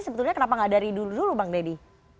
sebetulnya kenapa nggak dari dulu dulu bang deddy